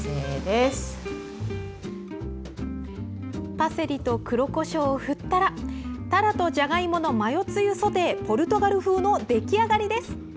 パセリと黒こしょうを振ったら「たらとじゃがいものマヨつゆソテーポルトガル風」の出来上がりです。